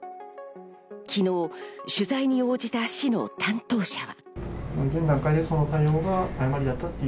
昨日、取材に応じた市の担当者は。